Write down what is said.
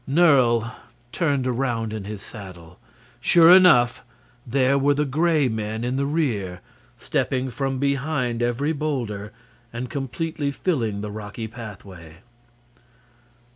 Nerle turned around in his saddle. Sure enough, there were the Gray Men in the rear stepping from behind every boulder and completely filling the rocky pathway.